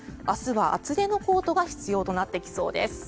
明日は厚手のコートが必要となってきそうです。